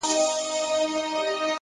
نیک عمل تل اغېز پرېږدي!